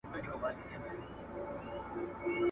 او همدلته به اوسېږي `